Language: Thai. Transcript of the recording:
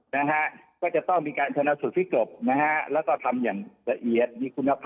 นะฮะก็จะต้องมีการชนะสูตรพลิกศพนะฮะแล้วก็ทำอย่างละเอียดมีคุณภาพ